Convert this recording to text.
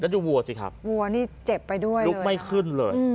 ดูวัวสิครับวัวนี่เจ็บไปด้วยลุกไม่ขึ้นเลย